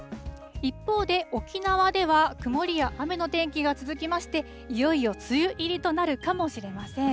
一方で、沖縄では曇りや雨の天気が続きまして、いよいよ梅雨入りとなるかもしれません。